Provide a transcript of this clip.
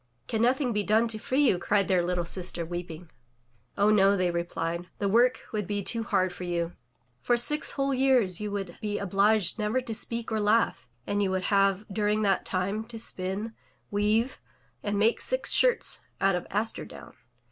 '' "Can nothing be done to free you?" cried their sister weeping. "Oh, no!'* they replied. "The work would be too hard for you. For six whole years you would be obliged never to speak or laugh, and you would have, during that time, to spin, weave 365 MY BOOK HOUSE and make six shirts out of aster down.